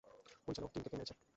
পরিচালক কিমকে কে মেরেছে?